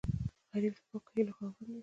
غریب د پاکو هیلو خاوند وي